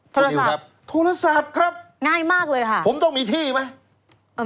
โทรศัพท์ครับโทรศัพท์ครับผมต้องมีที่ไหมง่ายมากเลยค่ะ